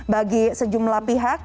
bagi sejumlah pihak